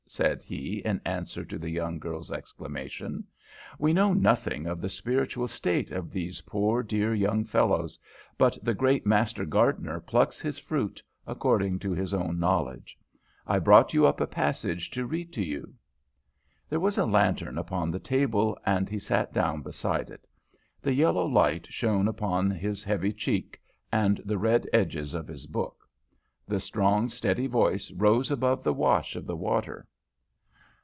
said he in answer to the young girl's exclamation. "We know nothing of the spiritual state of these poor dear young fellows, but the great Master Gardener plucks His fruit according to His own knowledge. I brought you up a passage to read to you." There was a lantern upon the table, and he sat down beside it. The yellow light shone upon his heavy cheek and the red edges of his book. The strong, steady voice rose above the wash of the water.